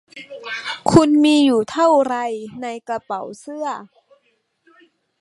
คุณมีอยู่เท่าไรในกระเป๋าเสื้อ